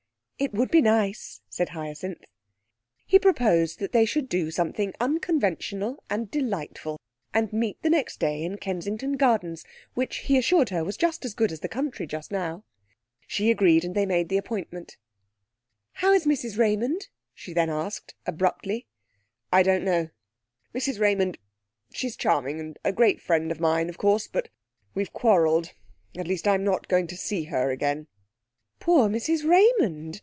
'It would be nice,' said Hyacinth. He proposed that they should do something unconventional and delightful, and meet the next day in Kensington Gardens, which he assured her was just as good as the country just now. She agreed, and they made an appointment. 'How is Mrs Raymond?' she then asked abruptly. 'I don't know. Mrs Raymond she's charming, and a great friend of mine, of course; but we've quarrelled. At least I'm not going to see her again.' 'Poor Mrs Raymond!'